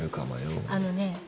あのね。